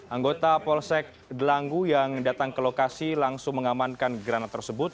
anggota polsek delanggu yang datang ke lokasi langsung mengamankan granat tersebut